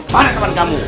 mana teman kamu